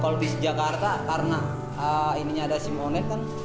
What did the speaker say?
kalau di jakarta karena ininya ada sim online kan